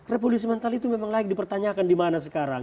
revolusi mental itu memang layak dipertanyakan di mana sekarang